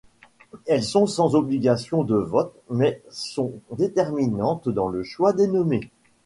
Elles sont sans obligation de vote mais sont déterminantes dans le choix des nommés.